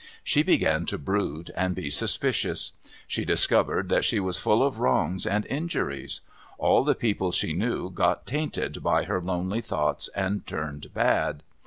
She began to brood and be suspicious. She discovered that she was full of wrongs and injuries. All the people she knew, got tainted by her lonely thoughts and turned bad.